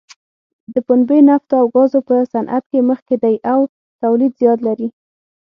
د پنبې، نفتو او ګازو په صنعت کې مخکې دی او تولید زیات لري.